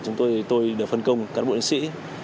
trong các buổi làm việc tôi được phân công các bộ yên sĩ